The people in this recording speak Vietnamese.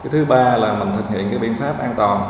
thứ ba là mình thực hiện cái biện pháp an toàn